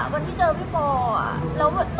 วันที่เจอพี่ปอะ